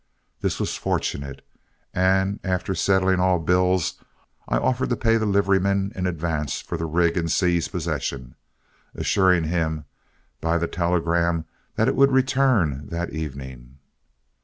This was fortunate, and after settling all bills, I offered to pay the liveryman in advance for the rig in Seay's possession, assuring him by the telegram that it would return that evening.